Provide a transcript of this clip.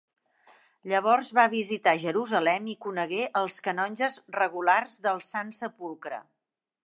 Llavors va visitar Jerusalem i conegué els Canonges Regulars del Sant Sepulcre.